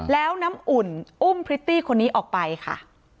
แล้วน้ำอุ่นอุ้มพริตตี้คนนี้ออกไปค่ะ